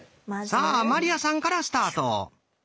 さあ鞠杏さんからスタート。